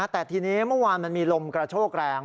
แต่ทีนี้เมื่อวานมันมีลมกระโชกแรง